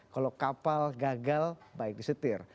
kalau kapal gagal baik disetir